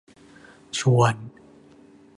ชวน